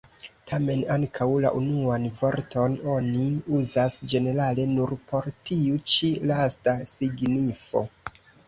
Tamen, ankaŭ la unuan vorton oni uzas ĝenerale nur por tiu ĉi lasta signifo.